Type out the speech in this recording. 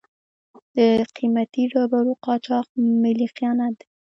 د قیمتي ډبرو قاچاق ملي خیانت دی.